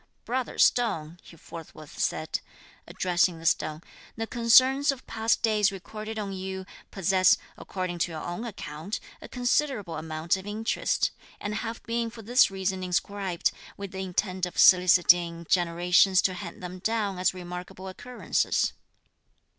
"Brother stone," he forthwith said, addressing the stone, "the concerns of past days recorded on you possess, according to your own account, a considerable amount of interest, and have been for this reason inscribed, with the intent of soliciting generations to hand them down as remarkable occurrences.